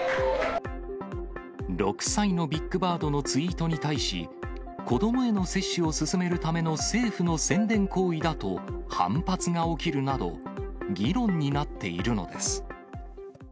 ６歳のビッグバードのツイートに対し、子どもへの接種を勧めるための政府の宣伝行為だと反発が起きるなど、議論になっているのです。